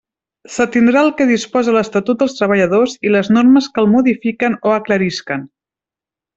S'atindrà al que disposa l'Estatut dels Treballadors i les normes que el modifiquen o aclarisquen.